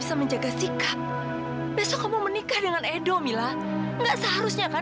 sampai jumpa di video selanjutnya